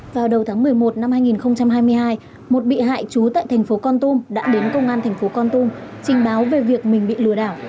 vào đầu tháng một mươi một năm hai nghìn hai mươi hai một bị hại trú tại thành phố con tum đã đến công an thành phố con tum trình báo về việc mình bị lừa đảo